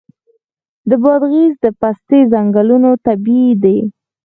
د بادغیس د پستې ځنګلونه طبیعي دي.